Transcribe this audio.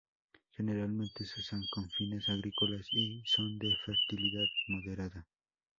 Generalmente se usan con fines agrícolas y son de fertilidad moderada.